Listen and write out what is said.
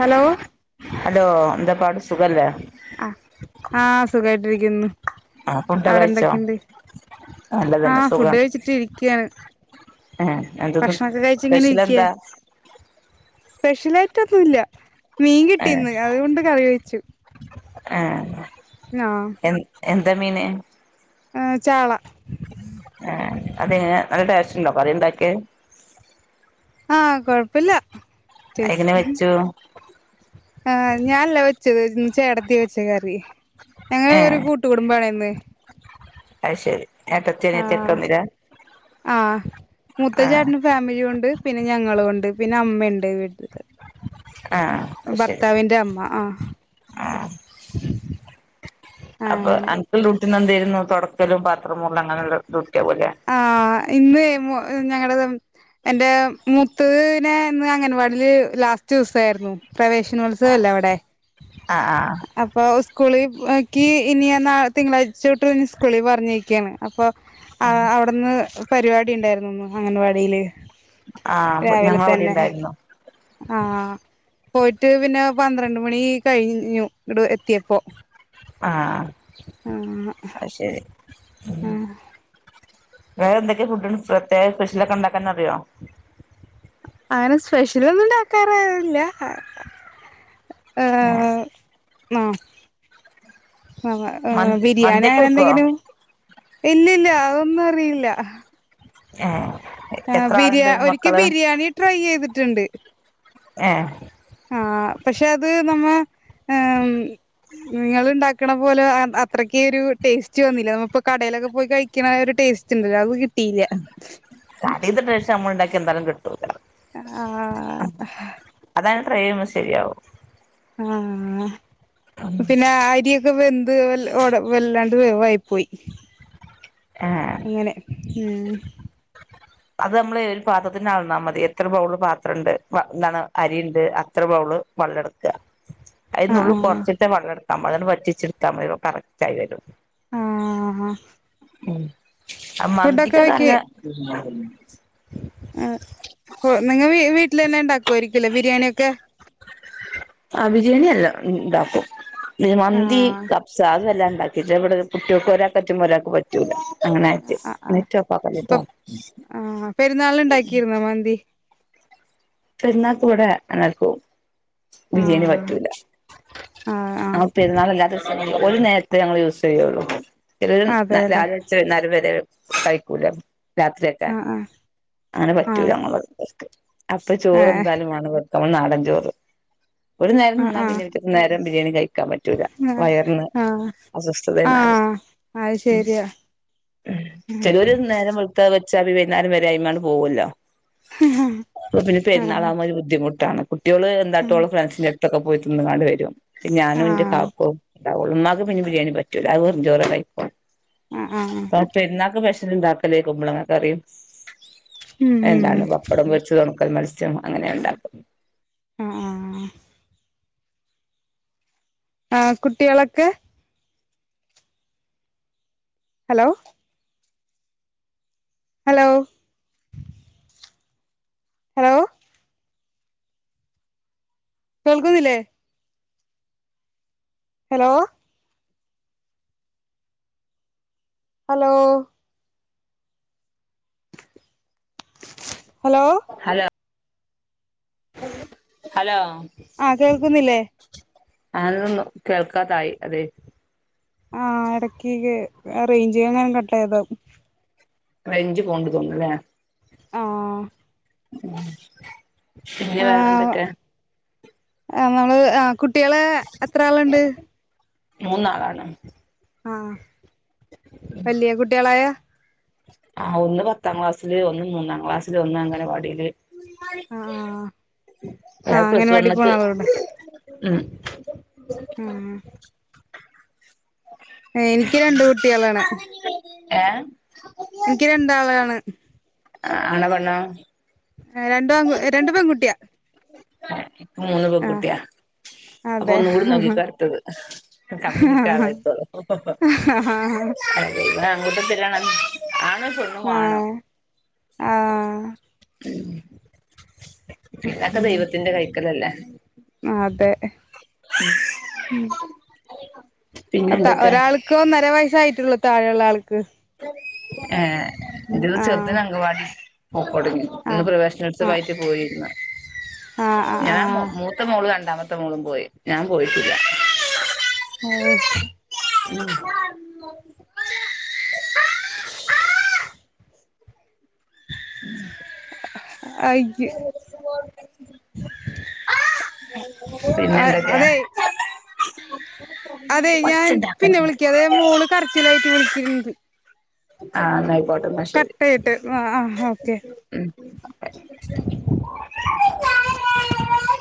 Hello hello എന്താ പാട് സുഖല്ലേ? ആ ആഹ് സുഖായിട്ടിരിക്കുന്നു. ആഹ് ഫുഡ് അവിടെ കഴിച്ചോ എന്തൊക്കെയുണ്ട് ആ നല്ലതന്നെ ഫുഡ് സുഖം കഴിച്ചിട്ട് ഇരിക്കയാണ് ഏഹ് എന്താന്ന് ഭക്ഷണൊക്കെ കഴിച്ച് ഇങ്ങനെ സ്പെഷൽ എന്താ സ്പെഷ്യലായിട്ടൊന്നുംല്ല. മീൻ കിട്ടീന്ന് അതുകൊണ്ട് കറിവയ്ച്ചു. ങേ നാ എന്താ മീന്? ആഹ് ചാള ആ അത് നല്ല ടേസ്റ്റ് ഉണ്ടോ കറിയുണ്ടാക്കിയെ. ആഹ് കൊഴപ്പില്ല. എങ്ങനെ വെച്ചു? ആഹ് ഞാനൻല്ല വെച്ചത് ഇന്ന്‌ ചേടത്തി വെച്ച കറി ഞങ്ങളൊരു കൂട്ടുകുടുംബാണ ന്ന് അയ്ശരി ആഹ് ആ മൂത്ത ആ ചേട്ടനും ഫാമിലിയും ഉണ്ട് പിന്നെ ഞങ്ങളും ഉണ്ട് പിന്നെ അമ്മ ന്റെ വീട്ട്ൽ. ആ അത് ശരി ഭർത്താവിന്റെ അമ്മ ആഹ് ആ ങ്ങനെ പിന്ന എന്തായിരുന്നു തൊടക്കലും പാത്രം മോറലും അങ്ങനെയുള്ള ആവുല്ലേ ആഹ് ഇന്ന്എയ്മു ഞങ്ങളടെത് എന്റെ മുത്തതിനെ ഇന്ന് അംഗൻവാടിൽ ലാസ്റ്റ് ദിവസായിരുന്നു പ്രവേശനോത്സവല്ലേ അവിടെ ആ ആ അപ്പോ സ്കൂളി ക്കി ഇനി നാ തിങ്കളാഴ്ചൊട്ട് ഇ സ്കൂളി പറഞ്ഞെക്ക്യാണ് അപ്പൊ ആ അവിടന്ന് പരിപാടി ഉണ്ടാരുന്നു ഇന്ന് അംഗൻവാടില് ആഹ് ഞങ്ങളവിടെ ഉണ്ടാര്‌ന്നു ആഹ് പോയിട്ട് പിന്നെ പന്ത്രണ്ട് മണി കഴിഞ്ഞു ഇങ്ങട് എത്തിപ്പൊ ആ അത് ശരി [unintelligible] വേറെ എന്തൊക്കെ ഫുഡ് പ്രത്യേക സ്പെഷ്യലക്കെ ഒണ്ടാക്കാന്നറിയോ അങ്ങനെ സ്പെഷ്യലൊന്നുണ്ടാക്കാറില്ല ആ ആ മന്തി ബിരിയാണി മന്തിയൊക്കെ അങ്ങനെ വെക്കുവോ എന്തെങ്കിലും ഇല്ലല്ല അതൊന്നും അറിയില്ല ഏ ആ എത്ര ബിരിയാ ആളുണ്ട് ഒരിക്ക മക്കള് ബിരിയാണി ട്രൈ ചെയ്തി ട്ട്ണ്ട് ഏ ആ പക്ഷെ അത് നമ്മ ആം നിങ്ങള് ഉണ്ടാക്കണ പോലെ അത്രക്ക് ഒരു ടേസ്റ്റ് വന്നില്ല നമ്മിപ്പോ കടെലൊക്കെ പോയി കഴിക്കണ ഒരു ടേസ്റ്റിണ്ടല്ലോ അത് കിട്ടിയില്ല. [unintelligible] ച്ച നമ്മളിണ്ടാക്ക്യ എന്താലും കിട്ടൂല ആ ആ ട്രൈയും ശരിയാവും ആ പിന്നെ അരിയൊക്കെ വെന്ത് അത് ഓടെ വല്ലാണ്ട് വേവായി പോയി ഏ ഇങ്ങനെ ഊം അത് നമ്മള് അ ഒരു പാത്രത്തിന് അളന്നാൽ മതി എത്ര ബൗള് പാത്രണ്ട് എന്താണ് അരിണ്ട് അത്ര ബൗള് വള്ളം എടുക്കകാ ആ അതിന്നുള്ള് ആ കെറച്ചിട്ട് വെള്ള എട നമ്മള് വറ്റിച്ചെടുക്കാ ഇ കറക്റ്റ് ആയി വരും ആ ആ ഉം ആ മന്തിക്ക് കത ആ നിങ്ങ വീ വീ തന്ന ഒണ്ടാക്കുവയിരിക്കും അല്ലെ ബരിയാണിയെക്കെ ക്കെ ആ ബിരിയാണി എല്ല ഇണ്ടാക്കും മന്തി ആഹ് കബ്സ അതെല്ലാം ണ്ടാക്കിട്ട് ഇവിടെ കുട്ടികൾക്ക് ഒരാക്ക് പറ്റുമ്പോ ഒരാക്ക് പറ്റൂല അങ്ങനെ ആ ആയിട്ട് ആ ആ നെറ്റ് ഓഫ് ഇപ്പൊ ആക്കല്ലിട്ടോ ആ പെരുന്നാളിന് ഉണ്ടാക്കിരുന്നോ മന്തി പെരുന്നാൾക്ക് ഇവിടെ എല്ലാർക്കും ബിരിയാണി ആഹ് പറ്റൂല ആഹ് ആഹ് അപ്പ പെരുന്നാളല്ലാത്ത ദീ ഒരു നേരത്തെ ഞങ്ങള് യൂസ് ചെയ്യുള്ളൂ എല്ലും അതെല്ലേ രാവിലെ വെച്ച് വൈന്നാരം വരെ കൈക്കൂല രാത്രിയൊക്കെ ആഹ് അങ്ങനെ പറ്റൂല ആഹ് നമ്മള് അപ്പൊ ആഹ് ഏഹ് ചോറെന്തായാലും വേണം ഇവ നമ്മടെ നാടൻ ചോറ് ഒരു നേരം തിന്നാ ആഹ് ആഹ് പിന്നെ പിറ്റത്തെ നേരം ബിരിയാണി കഴി ക്കാൻ പറ്റൂല ആഹ് വയർ ന് ആഹ് അസ്വസ്ഥതേണറിം ആഹ് അത് ശരിയാ ചിലര് നേരം വെള്ത്താ ച്ചാല് വൈന്നാരം വരെ അതിന്മേല് പോകുവല്ലോ ആഹ് അപ്പപിന്നെ പെരുന്നാള് ആഹ് ആവുമ്പോ ഒരു ബുദ്ധിമു മുട്ടാണ് കുട്ടികൾ എന്താട്ടും ആഹ് ഓളെ ഫ്രണ്ട്സിൻന്റെ ട്ത്തക്കെ പോയി തിന്ന്ങ്ങാണ്ട് വരും ഞാനും എന്റെ ആഹ് കാക്കുവും ഉണ്ടാവുള്ളൂ ഉമ്മാക് പിന്നെ ബിരിയാണി പറ്റൂല അത് വെറുംചോറെ കഴിക്കൊള്ളൂ ആഹ് ഇപ്പം പെരുന്നാക്ക് [unintelligible] ണ്ടാക്കലക്കുമ്പോളങ്ങ കറിയും ഉം ഉം ഉം ഒൺക്കൽ മത്സ്യം അങ്ങനെ ഉണ്ടാക്കല് അ അ ആ ആ കുട്ടികളൊക്കെ ഹലോ ഹലോ ഹലോ കേൾക്കുന്നില്ലേ hello hello hello hello hello ആ കേൾക്കുന്നില്ലേ അതോന്നു കേൾക്കാതായി അതെ ആ ഇടക്കി ക് ആ റേഞ്ച് എങ്ങനും കട്ടയത് ആവും റേഞ്ച് പോവ്ണ്ട് തോന്ന്ണ്ല്ലെ ആ മ്മ് പിന്നെ വേറെ എന്തൊക്കെ? ആ നമ്മള് ആ കു ട്ടിൾ എത്ര ആളുണ്ട്? മൂന്നാളാണ് ആ വലിയ കുട്ടികളായ? ആ ഒന്ന് പത്താം ക്ലാസ്സില് ഒന്ന് മൂന്നാം ക്ലാസ്സില് ഒന്ന് അംഗനവാടിൽ ആഹ് ആഹ് ആഹ് അഹ് പ്ലസ് അംഗൻവാടി പോണ വൺത്തെ മ് ആ എനിക്ക് രണ്ട് കുട്ടികളാണ് ഏ എനിക്ക് രണ്ടാളാണ് ആ ആണോ പെണ്ണോ? രണ്ടും ആ രണ്ടും പെൺകുട്ടിയാ [inaudible] ന്ക്ക് മൂന്ന് ആഹ് പെൺകുട്ടിയ അപ്പം അതെ ഒന്നുംകൂടി നോക്കിക്കോ അടുത്തത് ആഹ് കമ്പനിക്ക് ആൾ ആഹ് ആയിക്കോളും [inaudible] [inaudible] ആണ്ണും പെണ്ണും വാണം ആഹ് മ് പിന്നൊക്കെ ദൈവത്തിന്റെ കൈ ക്കലല്ലേ ആതെ [unintelligible] പിന്നെ അത്താ എന്തൊക്കെ ഒരാൾക്ക് ഒന്നര വയസായി ട്ടുള്ളു താഴെള്ള ആൾ ഏ ഉം ഇന്റെത് ആഹ് ചെർതിന് അംഗംവാടി ഓ കൊടങ്ങി ഇന്ന് ആഹ് പ്രവേശനോത്സവായിട്ട് പോയിര്ന്ന് ആഹ് ഞാൻ ആഹ് മൂ മൂത്ത മോൾ രണ്ടാമ ത്ത മോളും പോയി ഞാൻ പോയിട്ടില്ല [unintelligible] [unintelligible] ഉം ആഹ് പിന്നെ ആഹ് എന്തൊക്കെയ അതെ അതെ ഞാൻ പിന്നെ വിളിക്കാ അതെ മോള് കരച്ചിലായിട്ട് ആ നന്നായി കറക്റ്റ് ആയിട്ട് ആ ആ ഓക്കെ [unintelligible] [unintelligible]